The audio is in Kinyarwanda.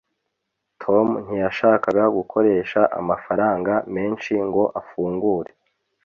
Tom ntiyashakaga gukoresha amafaranga menshi ngo afungure.